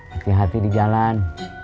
hati hati di jalan